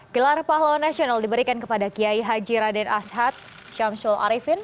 gelar pahlawan nasional diberikan kepada kiai haji raden ashad syamsul arifin